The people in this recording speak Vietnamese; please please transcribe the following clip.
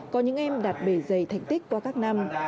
có những em đạt bề dày thành tích qua các năm